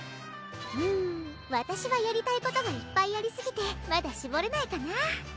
うーんわたしはやりたいことがいっぱいありすぎてまだしぼれないかな